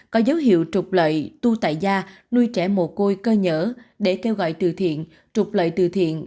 có dấu hiệu trục lợi tu tại gia nuôi trẻ mồ côi cơ nhở để kêu gọi trừ thiện trục lợi trừ thiện